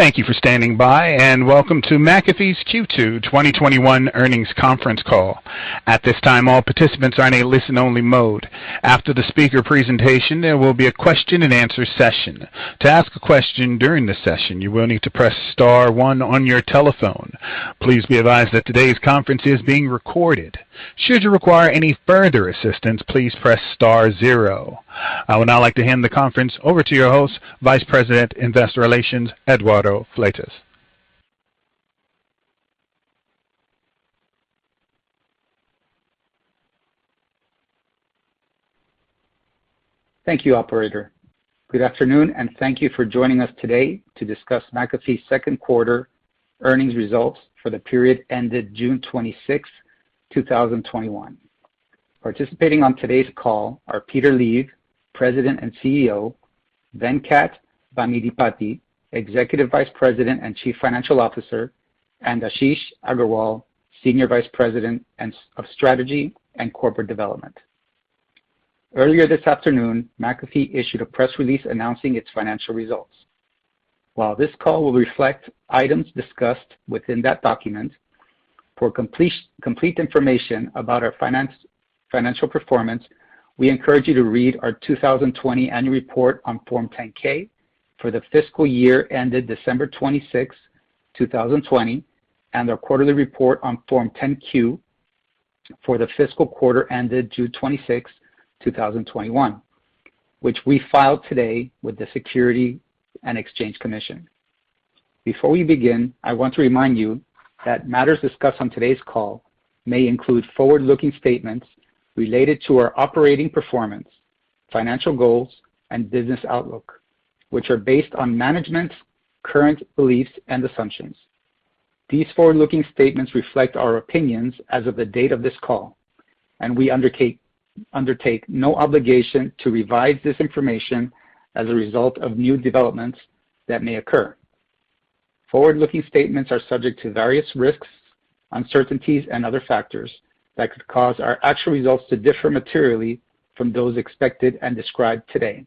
Thank you for standing by, and welcome to McAfee's Q2 2021 earnings conference call. I would now like to hand the conference over to your host, Vice President, Investor Relations, Eduardo Fleites. Thank you, operator. Good afternoon, and thank you for joining us today to discuss McAfee's second quarter earnings results for the period ended June 26, 2021. Participating on today's call are Peter Leav, President and CEO, Venkat Bhamidipati, Executive Vice President and Chief Financial Officer, and Ashish Agarwal, Senior Vice President of Strategy and Corporate Development. Earlier this afternoon, McAfee issued a press release announcing its financial results. While this call will reflect items discussed within that document, for complete information about our financial performance, we encourage you to read our 2020 annual report on Form 10-K for the fiscal year ended December 26, 2020, and our quarterly report on Form 10-Q for the fiscal quarter ended June 26, 2021, which we filed today with the Securities and Exchange Commission. Before we begin, I want to remind you that matters discussed on today's call may include forward-looking statements related to our operating performance, financial goals, and business outlook, which are based on management's current beliefs and assumptions. These forward-looking statements reflect our opinions as of the date of this call, and we undertake no obligation to revise this information as a result of new developments that may occur. Forward-looking statements are subject to various risks, uncertainties, and other factors that could cause our actual results to differ materially from those expected and described today.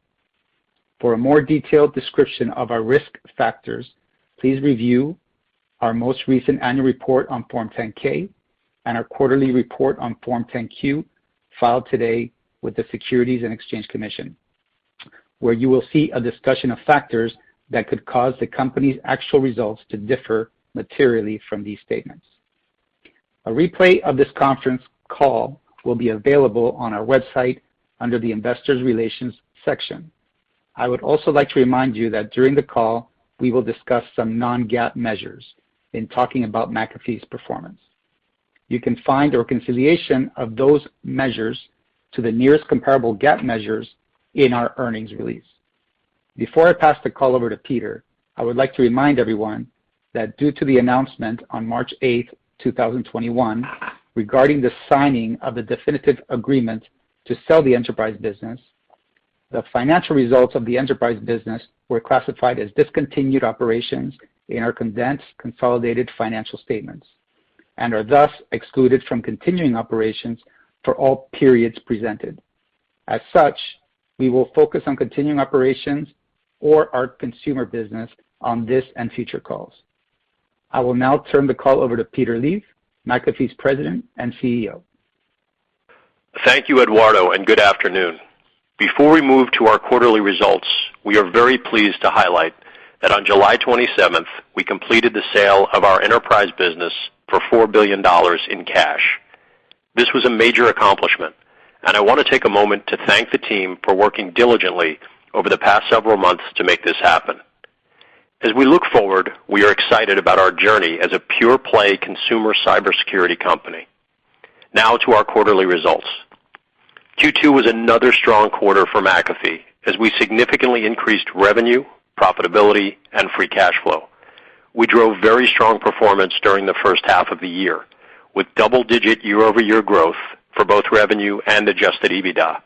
For a more detailed description of our risk factors, please review our most recent annual report on Form 10-K and our quarterly report on Form 10-Q, filed today with the Securities and Exchange Commission, where you will see a discussion of factors that could cause the company's actual results to differ materially from these statements. A replay of this conference call will be available on our website under the Investor Relations section. I would also like to remind you that during the call, we will discuss some non-GAAP measures in talking about McAfee's performance. You can find a reconciliation of those measures to the nearest comparable GAAP measures in our earnings release. Before I pass the call over to Peter, I would like to remind everyone that due to the announcement on March 8, 2021, regarding the signing of the definitive agreement to sell the enterprise business, the financial results of the enterprise business were classified as discontinued operations in our condensed consolidated financial statements and are thus excluded from continuing operations for all periods presented. As such, we will focus on continuing operations or our consumer business on this and future calls. I will now turn the call over to Peter Leav, McAfee's President and CEO. Thank you, Eduardo, and good afternoon. Before we move to our quarterly results, we are very pleased to highlight that on July 27th, we completed the sale of our enterprise business for $4 billion in cash. This was a major accomplishment, and I want to take a moment to thank the team for working diligently over the past several months to make this happen. As we look forward, we are excited about our journey as a pure-play consumer cybersecurity company. Now to our quarterly results. Q2 was another strong quarter for McAfee, as we significantly increased revenue, profitability, and free cash flow. We drove very strong performance during the first half of the year, with double-digit year-over-year growth for both revenue and adjusted EBITDA.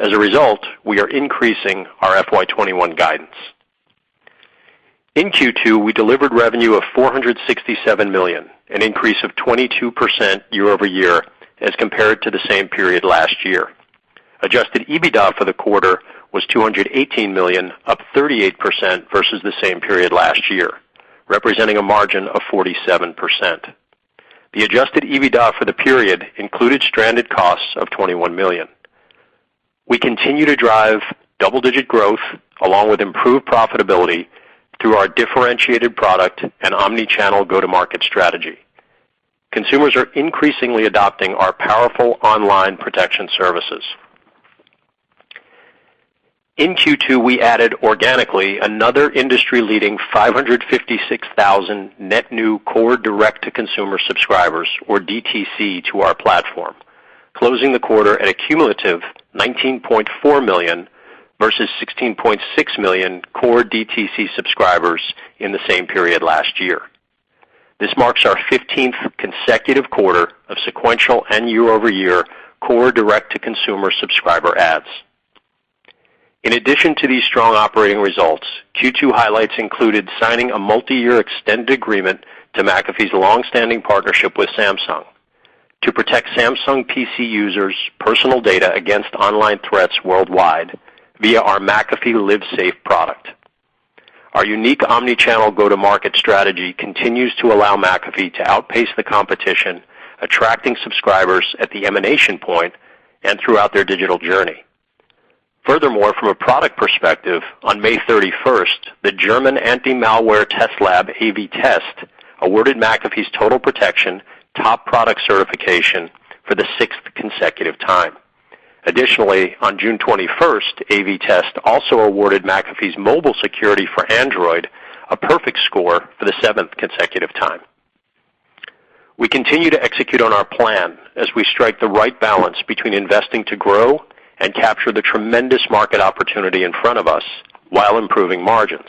As a result, we are increasing our FY 2021 guidance. In Q2, we delivered revenue of $467 million, an increase of 22% year-over-year as compared to the same period last year. Adjusted EBITDA for the quarter was $218 million, up 38% versus the same period last year, representing a margin of 47%. The adjusted EBITDA for the period included stranded costs of $21 million. We continue to drive double-digit growth along with improved profitability through our differentiated product and omni-channel go-to-market strategy. Consumers are increasingly adopting our powerful online protection services. In Q2, we added organically another industry-leading 556,000 net new core direct-to-consumer subscribers, or DTC, to our platform, closing the quarter at a cumulative 19.4 million versus 16.6 million core DTC subscribers in the same period last year. This marks our 15th consecutive quarter of sequential and year-over-year core direct-to-consumer subscriber adds. In addition to these strong operating results, Q2 highlights included signing a multiyear extended agreement to McAfee's long-standing partnership with Samsung. To protect Samsung PC users' personal data against online threats worldwide via our McAfee LiveSafe product. Our unique omni-channel go-to-market strategy continues to allow McAfee to outpace the competition, attracting subscribers at the origination point and throughout their digital journey. Furthermore, from a product perspective, on May 31st, the German anti-malware test lab, AV-TEST, awarded McAfee Total Protection top product certification for the sixth consecutive time. Additionally, on June 21st, AV-TEST also awarded McAfee Security for Android a perfect score for the seventh consecutive time. We continue to execute on our plan as we strike the right balance between investing to grow and capture the tremendous market opportunity in front of us while improving margins.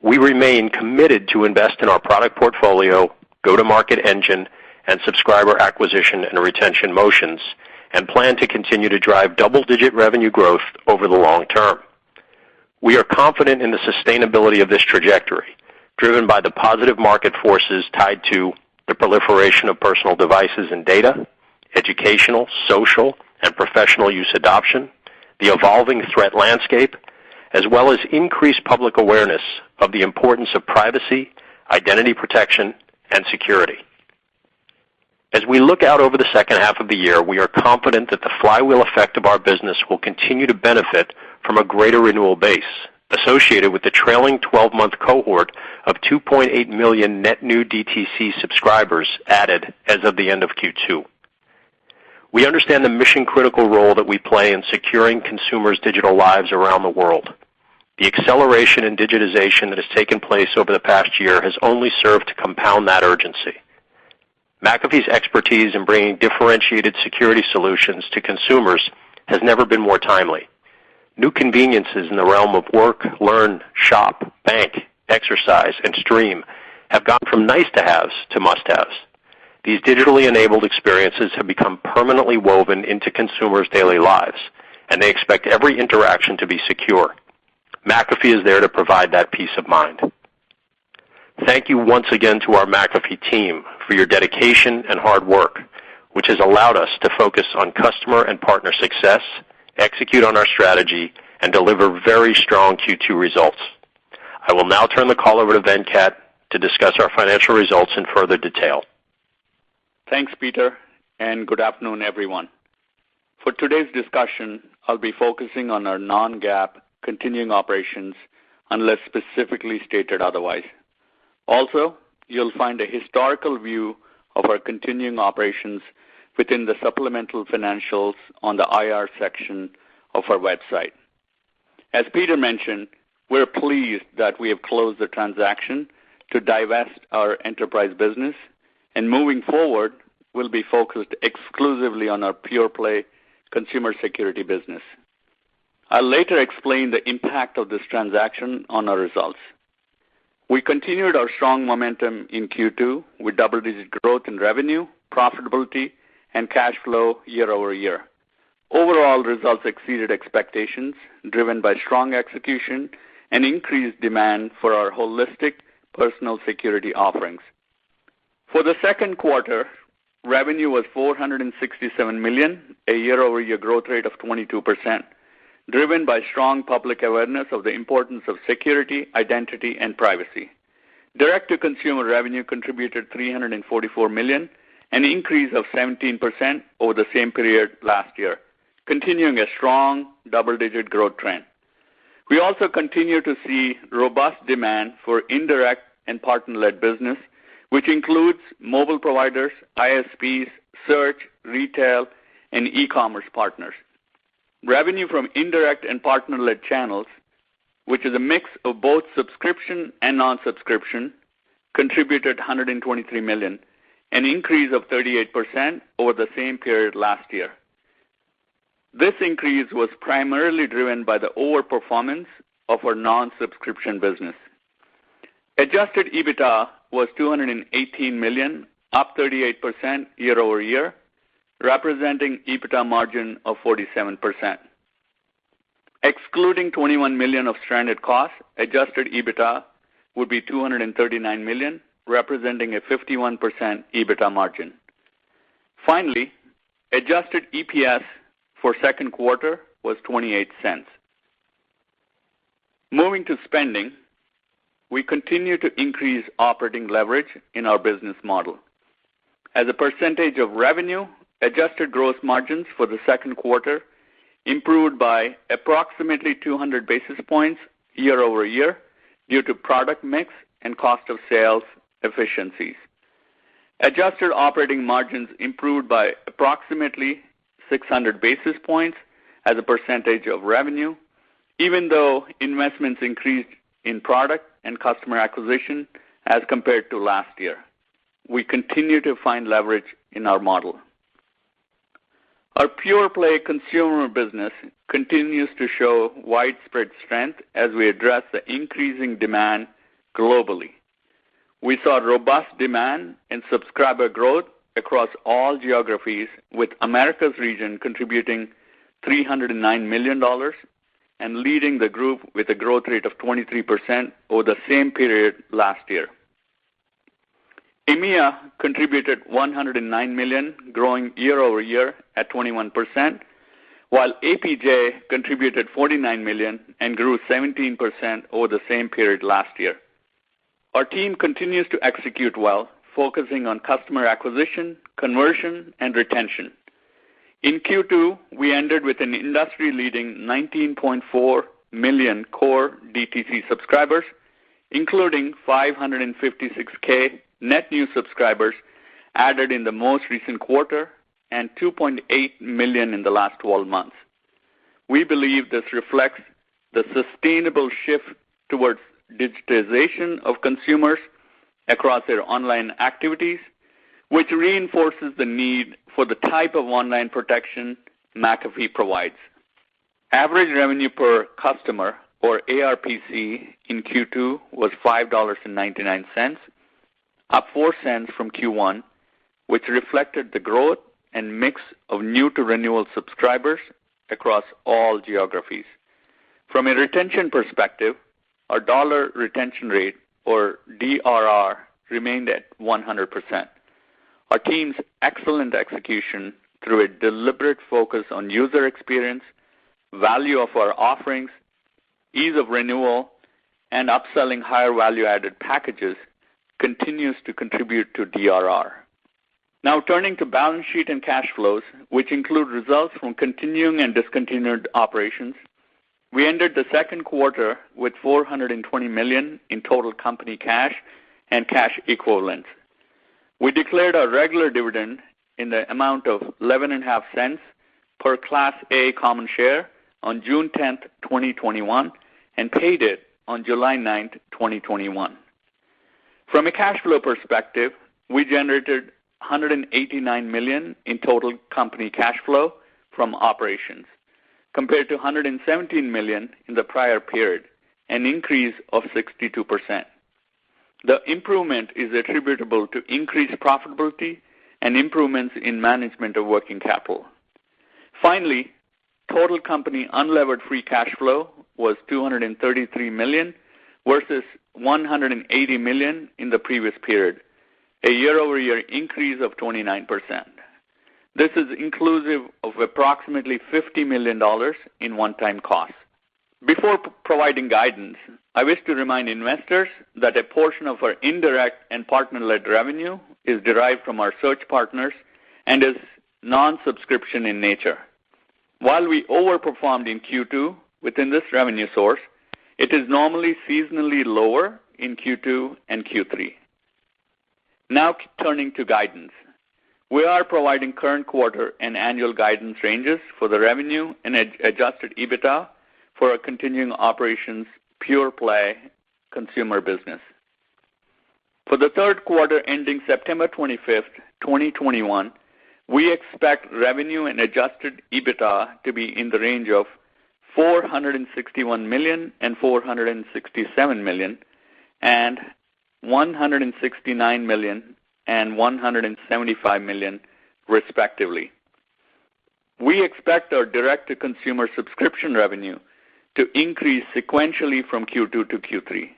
We remain committed to invest in our product portfolio, go-to-market engine, and subscriber acquisition and retention motions, and plan to continue to drive double-digit revenue growth over the long term. We are confident in the sustainability of this trajectory, driven by the positive market forces tied to the proliferation of personal devices and data, educational, social, and professional use adoption, the evolving threat landscape, as well as increased public awareness of the importance of privacy, identity protection, and security. As we look out over the second half of the year, we are confident that the flywheel effect of our business will continue to benefit from a greater renewal base associated with the trailing 12-month cohort of 2.8 million net new DTC subscribers added as of the end of Q2. We understand the mission-critical role that we play in securing consumers' digital lives around the world. The acceleration in digitization that has taken place over the past year has only served to compound that urgency. McAfee's expertise in bringing differentiated security solutions to consumers has never been more timely. New conveniences in the realm of work, learn, shop, bank, exercise, and stream have gone from nice-to-haves to must-haves. These digitally enabled experiences have become permanently woven into consumers' daily lives, and they expect every interaction to be secure. McAfee is there to provide that peace of mind. Thank you once again to our McAfee team for your dedication and hard work, which has allowed us to focus on customer and partner success, execute on our strategy, and deliver very strong Q2 results. I will now turn the call over to Venkat to discuss our financial results in further detail. Thanks, Peter, and good afternoon, everyone. For today's discussion, I'll be focusing on our non-GAAP continuing operations, unless specifically stated otherwise. You'll find a historical view of our continuing operations within the supplemental financials on the IR section of our website. As Peter mentioned, we're pleased that we have closed the transaction to divest our enterprise business, and moving forward, we'll be focused exclusively on our pure-play consumer security business. I'll later explain the impact of this transaction on our results. We continued our strong momentum in Q2 with double-digit growth in revenue, profitability, and cash flow year-over-year. Overall results exceeded expectations, driven by strong execution and increased demand for our holistic personal security offerings. For the second quarter, revenue was $467 million, a year-over-year growth rate of 22%, driven by strong public awareness of the importance of security, identity, and privacy. Direct-to-consumer revenue contributed $344 million, an increase of 17% over the same period last year, continuing a strong double-digit growth trend. We also continue to see robust demand for indirect and partner-led business, which includes mobile providers, ISPs, search, retail, and e-commerce partners. Revenue from indirect and partner-led channels, which is a mix of both subscription and non-subscription, contributed $123 million, an increase of 38% over the same period last year. This increase was primarily driven by the overperformance of our non-subscription business. Adjusted EBITDA was $218 million, up 38% year-over-year, representing EBITDA margin of 47%. Excluding $21 million of stranded costs, adjusted EBITDA would be $239 million, representing a 51% EBITDA margin. Finally, adjusted EPS for second quarter was $0.28. Moving to spending, we continue to increase operating leverage in our business model. As a percentage of revenue, adjusted gross margins for the second quarter improved by approximately 200 basis points year-over-year due to product mix and cost of sales efficiencies. Adjusted operating margins improved by approximately 600 basis points as a percentage of revenue, even though investments increased in product and customer acquisition as compared to last year. We continue to find leverage in our model. Our pure-play consumer business continues to show widespread strength as we address the increasing demand globally. We saw robust demand and subscriber growth across all geographies, with Americas region contributing $309 million and leading the group with a growth rate of 23% over the same period last year. EMEA contributed $109 million, growing year-over-year at 21%, while APJ contributed $49 million and grew 17% over the same period last year. Our team continues to execute well, focusing on customer acquisition, conversion, and retention. In Q2, we ended with an industry-leading 19.4 million core DTC subscribers, including 556k net new subscribers added in the most recent quarter and 2.8 million in the last 12 months. We believe this reflects the sustainable shift towards digitization of consumers across their online activities, which reinforces the need for the type of online protection McAfee provides. Average revenue per customer, or ARPC, in Q2 was $5.99, up $0.04 from Q1, which reflected the growth and mix of new-to-renewal subscribers across all geographies. From a retention perspective, our dollar retention rate, or DRR, remained at 100%. Our team's excellent execution through a deliberate focus on user experience, value of our offerings, ease of renewal, and upselling higher value-added packages continues to contribute to DRR. Now turning to balance sheet and cash flows, which include results from continuing and discontinued operations. We ended the second quarter with $420 million in total company cash and cash equivalents. We declared our regular dividend in the amount of $0.115 per Class A common share on June 10th, 2021, and paid it on July 9th, 2021. From a cash flow perspective, we generated $189 million in total company cash flow from operations, compared to $117 million in the prior period, an increase of 62%. The improvement is attributable to increased profitability and improvements in management of working capital. Finally, total company unlevered free cash flow was $233 million versus $180 million in the previous period, a year-over-year increase of 29%. This is inclusive of approximately $50 million in one-time costs. Before providing guidance, I wish to remind investors that a portion of our indirect and partner-led revenue is derived from our search partners and is non-subscription in nature. While we overperformed in Q2 within this revenue source, it is normally seasonally lower in Q2 and Q3. Now turning to guidance. We are providing current quarter and annual guidance ranges for the revenue and adjusted EBITDA for our continuing operations pure-play consumer business. For the third quarter ending September 25, 2021, we expect revenue and adjusted EBITDA to be in the range of $461 million-$467 million, and $169 million-$175 million, respectively. We expect our direct-to-consumer subscription revenue to increase sequentially from Q2 to Q3.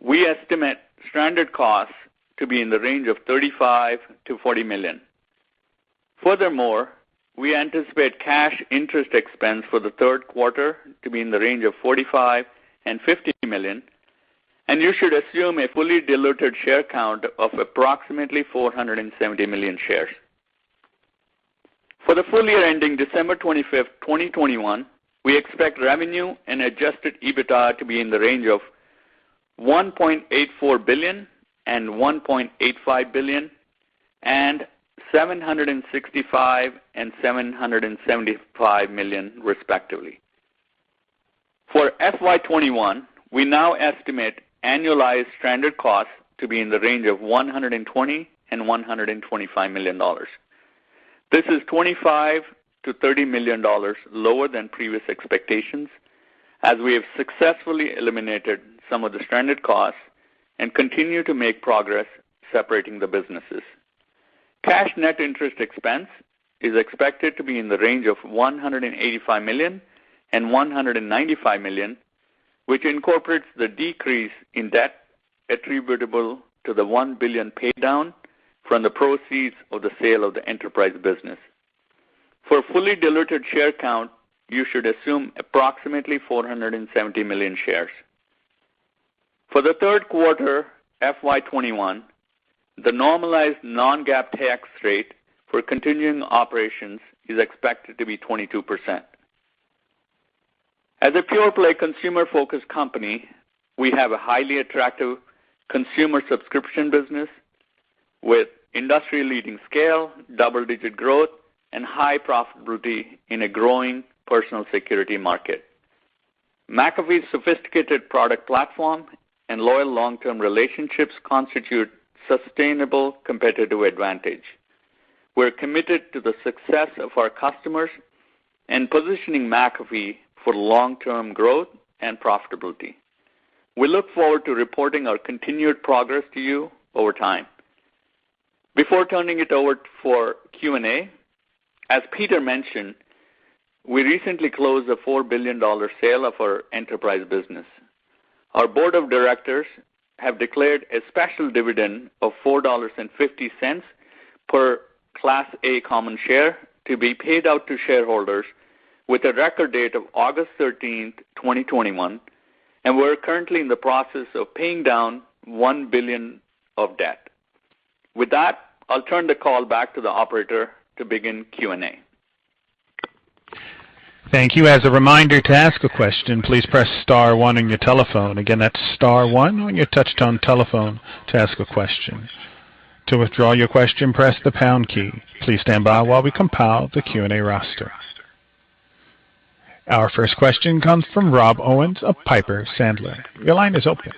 We estimate stranded costs to be in the range of $35 million-$40 million. Furthermore, we anticipate cash interest expense for the third quarter to be in the range of $45 million-$50 million, and you should assume a fully diluted share count of approximately 470 million shares. For the full year ending December 25th, 2021, we expect revenue and adjusted EBITDA to be in the range of $1.84 billion-$1.85 billion and $765 million-$775 million, respectively. For FY 2021, we now estimate annualized stranded costs to be in the range of $120 million-$125 million. This is $25 million-$30 million lower than previous expectations, as we have successfully eliminated some of the stranded costs and continue to make progress separating the businesses. Cash net interest expense is expected to be in the range of $185 million-$195 million, which incorporates the decrease in debt attributable to the $1 billion pay down from the proceeds of the sale of the enterprise business. For fully diluted share count, you should assume approximately 470 million shares. For the third quarter FY 2021, the normalized non-GAAP tax rate for continuing operations is expected to be 22%. As a pure-play consumer-focused company, we have a highly attractive consumer subscription business with industry-leading scale, double-digit growth, and high profitability in a growing personal security market. McAfee's sophisticated product platform and loyal long-term relationships constitute sustainable competitive advantage. We're committed to the success of our customers and positioning McAfee for long-term growth and profitability. We look forward to reporting our continued progress to you over time. Before turning it over for Q&A, as Peter mentioned, we recently closed a $4 billion sale of our enterprise business. Our board of directors have declared a special dividend of $4.50 per Class A common share to be paid out to shareholders with a record date of August 13th, 2021, and we're currently in the process of paying down $1 billion of debt. With that, I'll turn the call back to the operator to begin Q&A. Thank you. As a reminder, to ask a question, please press star one on your telephone. Again, that's star one on your touch-tone telephone to ask a question. To withdraw your question, press the pound key. Please stand by while we compile the Q&A roster. Our first question comes from Rob Owens of Piper Sandler. Your line is open.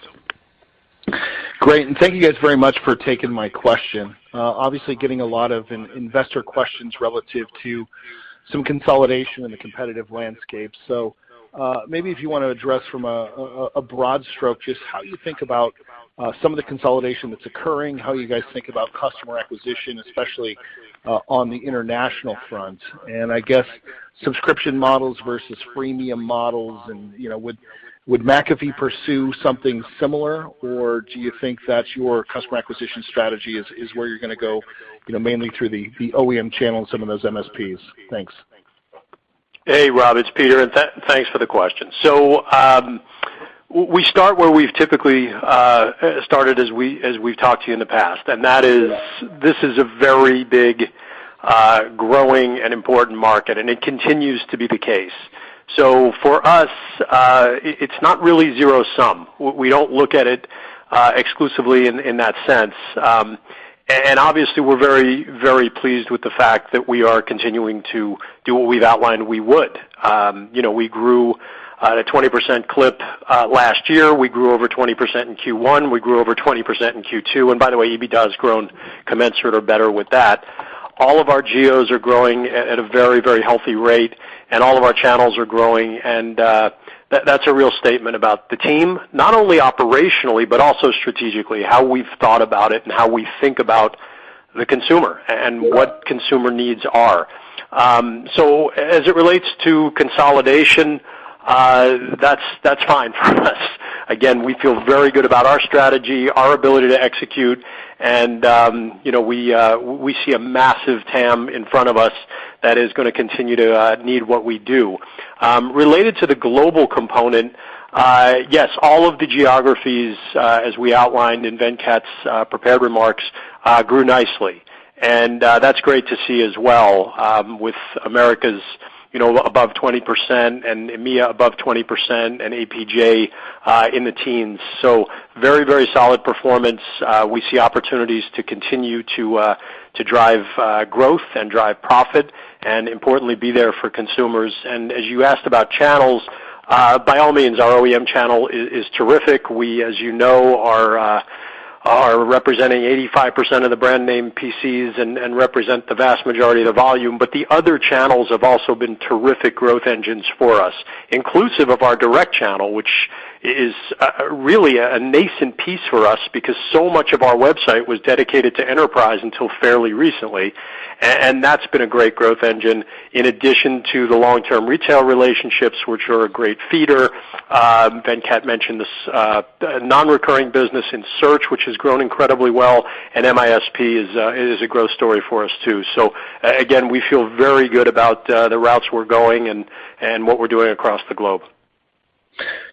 Great, thank you guys very much for taking my question. Obviously getting a lot of investor questions relative to some consolidation in the competitive landscape. Maybe if you want to address from a broad stroke, just how you think about some of the consolidation that's occurring, how you guys think about customer acquisition, especially on the international front. I guess subscription models versus freemium models, and would McAfee pursue something similar, or do you think that your customer acquisition strategy is where you're going to go, mainly through the OEM channel and some of those MSPs? Thanks. Hey, Rob, it's Peter, and thanks for the question. We start where we've typically started as we've talked to you in the past, and that is, this is a very big, growing and important market, and it continues to be the case. For us, it's not really zero-sum. We don't look at it exclusively in that sense. Obviously, we're very pleased with the fact that we are continuing to do what we've outlined we would. We grew at a 20% clip last year. We grew over 20% in Q1. We grew over 20% in Q2. By the way, EBITDA has grown commensurate or better with that. All of our geos are growing at a very healthy rate, and all of our channels are growing, and that's a real statement about the team. Not only operationally, but also strategically, how we've thought about it and how we think about the consumer and what consumer needs are. As it relates to consolidation, that's fine for us. Again, we feel very good about our strategy, our ability to execute and we see a massive TAM in front of us that is going to continue to need what we do. Related to the global component, yes, all of the geographies, as we outlined in Venkat's prepared remarks, grew nicely. That's great to see as well, with Americas above 20% and EMEA above 20% and APJ in the teens. Very solid performance. We see opportunities to continue to drive growth and drive profit and importantly, be there for consumers. As you asked about channels, by all means, our OEM channel is terrific. We, as you know, are representing 85% of the brand name PCs and represent the vast majority of the volume. The other channels have also been terrific growth engines for us, inclusive of our direct channel, which is really a nascent piece for us because so much of our website was dedicated to enterprise until fairly recently, and that's been a great growth engine. In addition to the long-term retail relationships, which are a great feeder. Venkat mentioned this non-recurring business in search, which has grown incredibly well, and ISP is a growth story for us, too. Again, we feel very good about the routes we're going and what we're doing across the globe.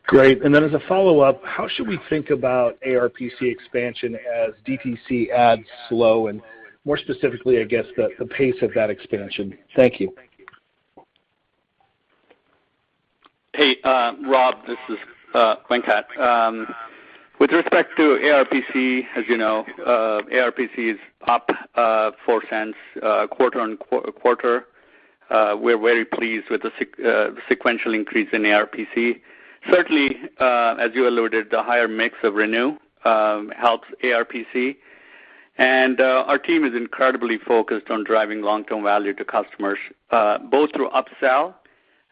Great. As a follow-up, how should we think about ARPC expansion as DTC adds slow and more specifically, I guess the pace of that expansion? Thank you. Hey, Rob, this is Venkat. With respect to ARPC, as you know, ARPC is up $0.04 quarter-on-quarter. We're very pleased with the sequential increase in ARPC. Certainly, as you alluded, the higher mix of renew helps ARPC, and our team is incredibly focused on driving long-term value to customers, both through upsell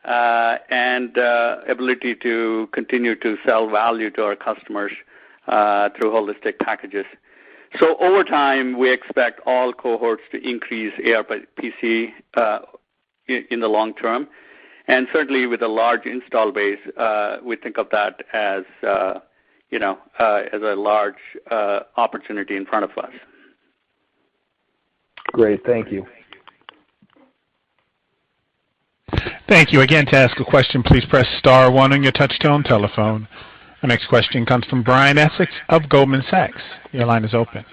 and ability to continue to sell value to our customers through holistic packages. Over time, we expect all cohorts to increase ARPC, in the long term. Certainly, with a large install base, we think of that as a large opportunity in front of us. Great. Thank you. Thank you. Again, to ask a question, please press star one on your touch-tone telephone. Our next question comes from Brian Essex of Goldman Sachs. Your line is open.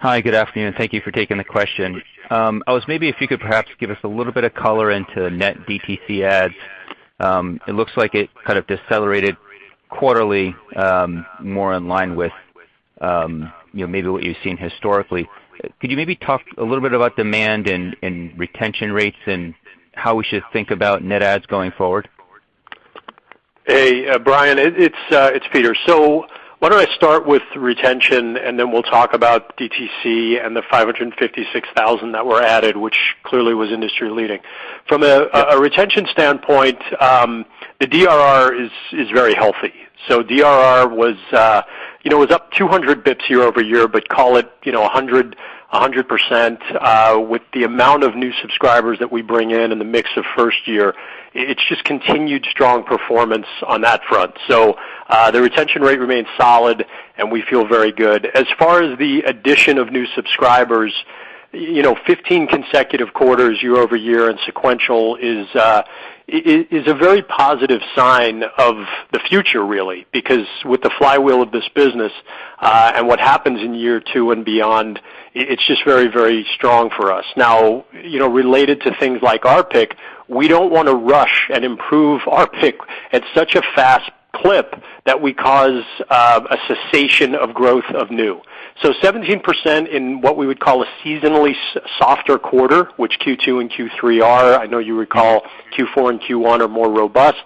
Hi. Good afternoon. Thank you for taking the question. If you could perhaps give us a little bit of color into net DTC adds. It looks like it kind of decelerated quarterly, more in line with maybe what you've seen historically. Could you maybe talk a little bit about demand and retention rates and how we should think about net adds going forward? Hey, Brian. It's Peter. Why don't I start with retention, and then we'll talk about DTC and the 556,000 that were added, which clearly was industry leading. From a retention standpoint, the DRR is very healthy. DRR was up 200 basis points year-over-year, but call it 100% with the amount of new subscribers that we bring in and the mix of first year. It's just continued strong performance on that front. The retention rate remains solid, and we feel very good. As far as the addition of new subscribers, 15 consecutive quarters year-over-year and sequential is a very positive sign of the future, really. With the flywheel of this business, and what happens in year two and beyond, it's just very strong for us. Related to things like ARPC, we don't want to rush and improve ARPC at such a fast clip that we cause a cessation of growth of new. 17% in what we would call a seasonally softer quarter, which Q2 and Q3 are. I know you recall Q4 and Q1 are more robust.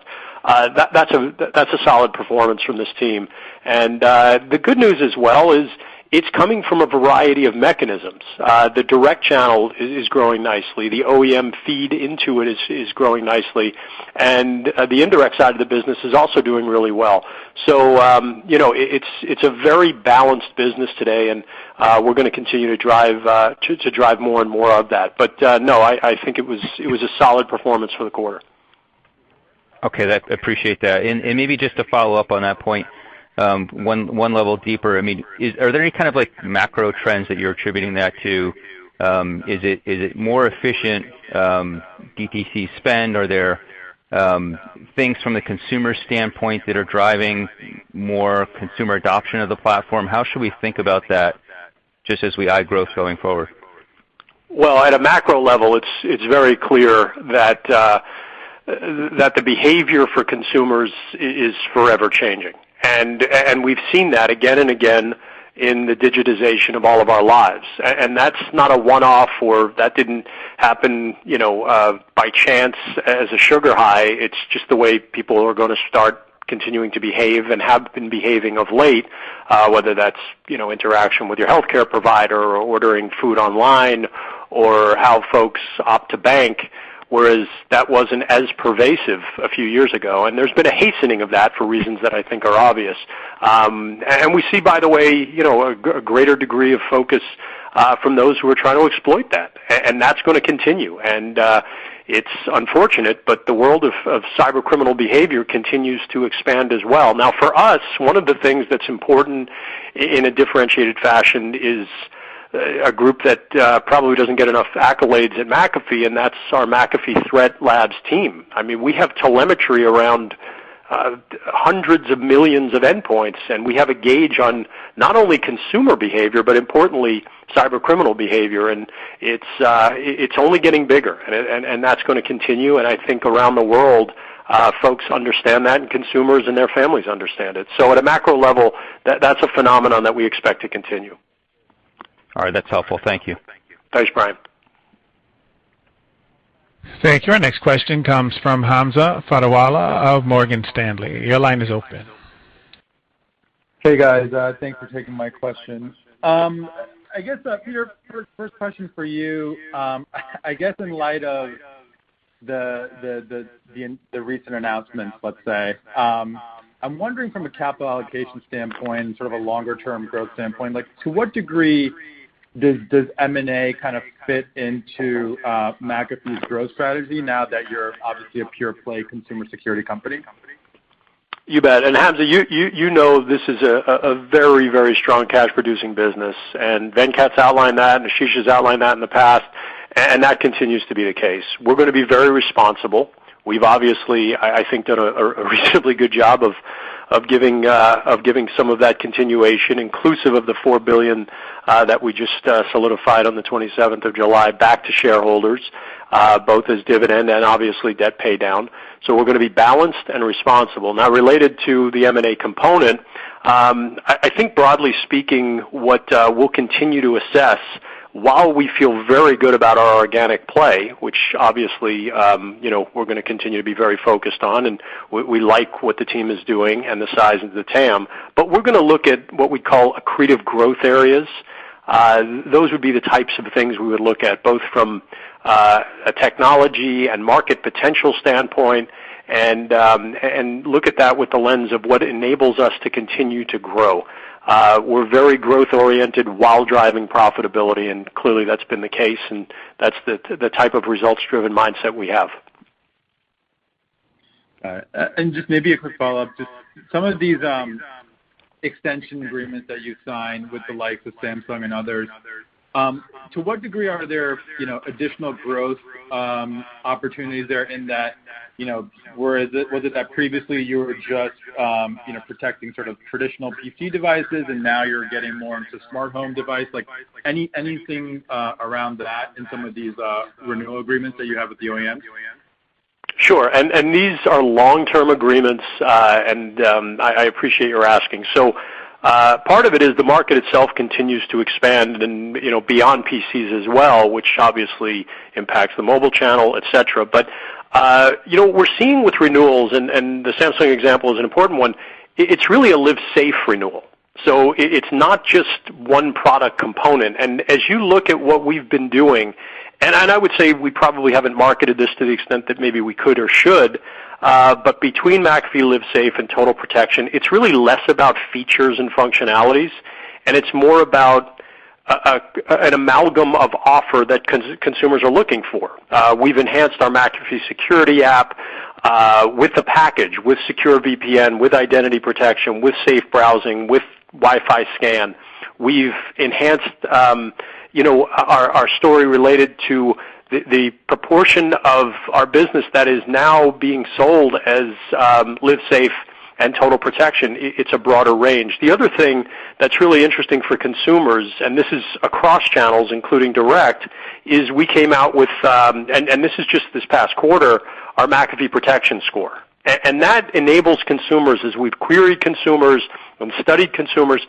That's a solid performance from this team. The good news as well is it's coming from a variety of mechanisms. The direct channel is growing nicely. The OEM feed into it is growing nicely. The indirect side of the business is also doing really well. It's a very balanced business today, and we're going to continue to drive more and more of that. No, I think it was a solid performance for the quarter. Okay. I appreciate that. Maybe just to follow up on that point one level deeper. Are there any kind of macro trends that you're attributing that to? Is it more efficient DTC spend? Are there things from the consumer standpoint that are driving more consumer adoption of the platform? How should we think about that, just as we eye growth going forward? Well, at a macro level, it's very clear that the behavior for consumers is forever changing. We've seen that again and again in the digitization of all of our lives. That's not a one-off or that didn't happen by chance as a sugar high. It's just the way people are going to start continuing to behave and have been behaving of late, whether that's interaction with your healthcare provider or ordering food online or how folks opt to bank, whereas that wasn't as pervasive a few years ago. There's been a hastening of that for reasons that I think are obvious. We see, by the way, a greater degree of focus from those who are trying to exploit that, and that's going to continue. It's unfortunate, but the world of cyber criminal behavior continues to expand as well. For us, one of the things that's important in a differentiated fashion is a group that probably doesn't get enough accolades at McAfee, and that's our McAfee Threat Labs team. We have telemetry around hundreds of millions of endpoints, and we have a gauge on not only consumer behavior, but importantly, cyber criminal behavior. It's only getting bigger, and that's going to continue. I think around the world, folks understand that, and consumers and their families understand it. At a macro level, that's a phenomenon that we expect to continue. All right. That's helpful. Thank you. Thanks, Brian. Thank you. Our next question comes from Hamza Fodderwala of Morgan Stanley. Your line is open. Hey, guys. Thanks for taking my question. I guess, Peter, first question for you. I guess in light of the recent announcements, let's say, I'm wondering from a capital allocation standpoint and sort of a longer-term growth standpoint, to what degree does M&A kind of fit into McAfee's growth strategy now that you're obviously a pure play consumer security company? You bet. Hamza Fodderwala, you know this is a very strong cash-producing business. Venkat's outlined that, and Ashish has outlined that in the past, and that continues to be the case. We're going to be very responsible. We've obviously, I think, done a reasonably good job of giving some of that continuation, inclusive of the $4 billion that we just solidified on the 27th of July back to shareholders, both as dividend and obviously debt paydown. We're going to be balanced and responsible. Now related to the M&A component, I think broadly speaking, what we'll continue to assess while we feel very good about our organic play, which obviously we're going to continue to be very focused on and we like what the team is doing and the size of the TAM. We're going to look at what we call accretive growth areas. Those would be the types of things we would look at, both from a technology and market potential standpoint and look at that with the lens of what enables us to continue to grow. We're very growth-oriented while driving profitability. Clearly, that's been the case, and that's the type of results-driven mindset we have. All right. Just maybe a quick follow-up. Just some of these extension agreements that you signed with the likes of Samsung and others, to what degree are there additional growth opportunities there in that, was it that previously you were just protecting sort of traditional PC devices and now you're getting more into smart home device? Like anything around that in some of these renewal agreements that you have with the OEMs? Sure. These are long-term agreements, and I appreciate your asking. Part of it is the market itself continues to expand and beyond PCs as well, which obviously impacts the mobile channel, et cetera. We're seeing with renewals, and the Samsung example is an important one, it's really a LiveSafe renewal. It's not just one product component. As you look at what we've been doing, and I would say we probably haven't marketed this to the extent that maybe we could or should, but between McAfee LiveSafe and McAfee Total Protection, it's really less about features and functionalities, and it's more about an amalgam of offer that consumers are looking for. We've enhanced our McAfee Security app with the package, with Secure VPN, with identity protection, with safe browsing, with Wi-Fi scan. We've enhanced our story related to the proportion of our business that is now being sold as LiveSafe and Total Protection. It's a broader range. The other thing that's really interesting for consumers, this is across channels, including direct, is we came out with, and this is just this past quarter, our McAfee Protection Score. That enables consumers, as we've queried consumers and studied consumers,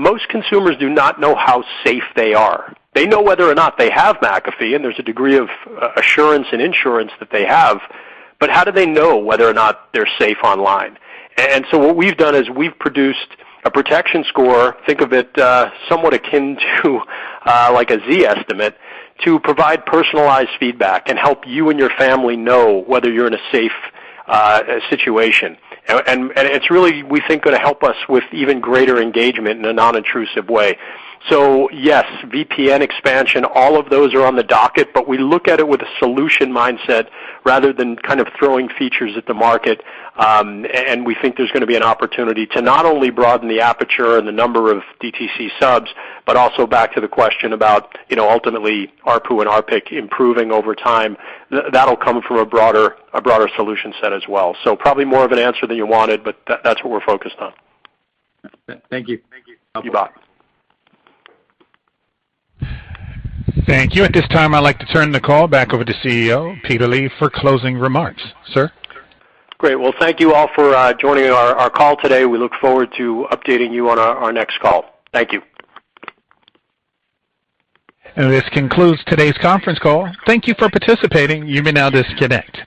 most consumers do not know how safe they are. They know whether or not they have McAfee, and there's a degree of assurance and insurance that they have, but how do they know whether or not they're safe online? What we've done is we've produced a protection score, think of it somewhat akin to like a Zestimate, to provide personalized feedback and help you and your family know whether you're in a safe situation. It's really, we think, going to help us with even greater engagement in a non-intrusive way. Yes, VPN expansion, all of those are on the docket, but we look at it with a solution mindset rather than throwing features at the market. We think there's going to be an opportunity to not only broaden the aperture and the number of DTC subs, but also back to the question about ultimately ARPU and ARPC improving over time. That'll come from a broader solution set as well. Probably more of an answer than you wanted, but that's what we're focused on. Thank you. Thank you. At this time, I'd like to turn the call back over to CEO, Peter Leav, for closing remarks. Sir? Great. Well, thank you all for joining our call today. We look forward to updating you on our next call. Thank you. This concludes today's conference call. Thank you for participating. You may now disconnect.